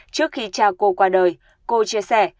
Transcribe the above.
trước khi cha cô qua đời cô chia sẻ